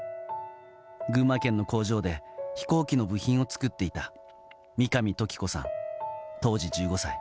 群馬県の工場で飛行機の部品を作っていた三上登喜子さん、当時１５歳。